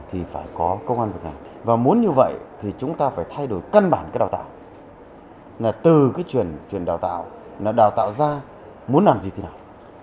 từ cái chuyển đào tạo đào tạo ra muốn làm gì thì nào